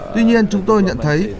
tuy nhiên chúng tôi nhận thấy